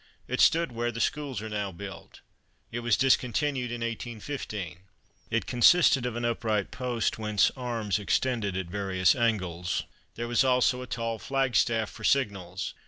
It stood where the schools are now built. It was discontinued in 1815. It consisted of an upright post whence arms extended at various angles there was also a tall flag staff for signals.